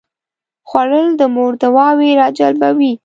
خوړل د مور دعاوې راجلبوي